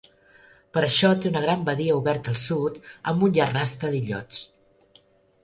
Per això té una gran badia oberta al sud amb un llarg rastre d'illots.